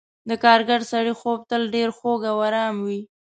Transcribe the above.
د کارګر سړي خوب تل ډېر خوږ او آرام وي.